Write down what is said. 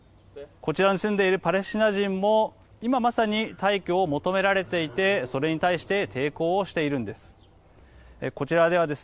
こちらに住んでいるパレスチナ人も今、まさに退去を求められていてそれに対して抵抗をしているんです。